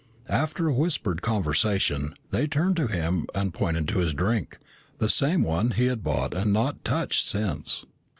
After a whispered conversation, they turned to him and pointed to his drink, the same one he had bought and had not touched since.